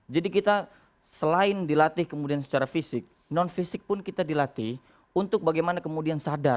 jadi kita selain dilatih kemudian secara fisik non fisik pun kita dilatih untuk bagaimana kemudian sadar